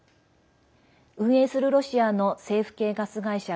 運営するロシアの政府系ガス会社